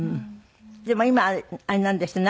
でも今あれなんですって？